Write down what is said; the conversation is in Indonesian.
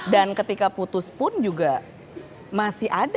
dan ketika putus pun juga masih ada tuh gila